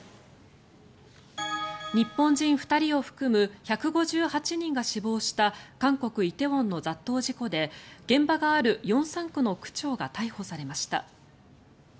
日本人２人を含む１５８人が死亡した韓国・梨泰院の雑踏事故で現場がある龍山区の区長が逮捕されました。